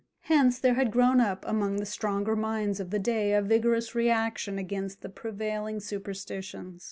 Hence there had grown up among the stronger minds of the day a vigorous reaction against the prevailing superstitions.